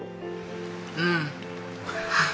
うん！